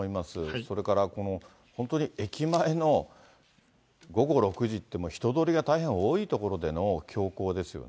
それから本当に駅前の午後６時って、人通りが大変多い所での凶行ですよね。